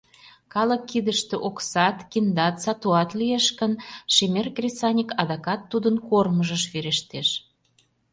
Калык кидыште оксат, киндат, сатуат лиеш гын, шемер кресаньык адакат тудын кормыжыш верештеш.